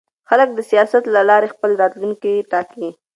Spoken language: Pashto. خلک د سیاست له لارې خپل راتلونکی ټاکي